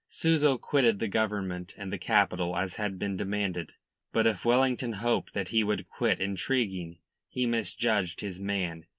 Souza quitted the Government and the capital as had been demanded. But if Wellington hoped that he would quit intriguing, he misjudged his man.